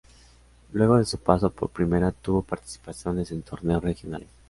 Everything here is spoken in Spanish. Luego de su pasó por primera tuvo participaciones en torneos regionales.